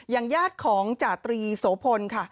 อย่างญาติของจตรีโสพลค่ะ